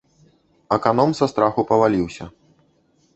Аканом са страху паваліўся.